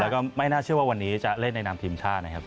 แล้วก็ไม่น่าเชื่อว่าวันนี้จะเล่นในนามทีมชาตินะครับ